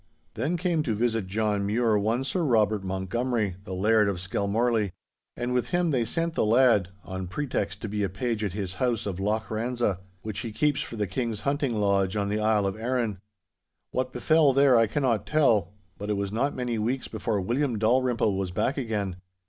'Then came to visit John Mure one Sir Robert Montgomery, the Laird of Skelmorlie. And with him they sent the lad, on pretext to be a page at his house of Loch Ranza, which he keeps for the King's hunting lodge on the Isle of Arran. What befell there I cannot tell, but it was not many weeks before William Dalrymple was back again.